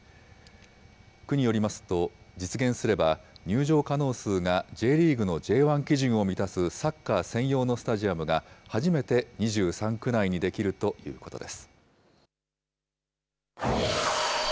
区によりますと、実現すれば、入場可能数がＪリーグのＪ１基準を満たすサッカー専用のスタジアムが初めて２３区内に出来るということです。